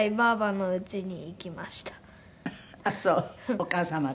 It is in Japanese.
お母様が？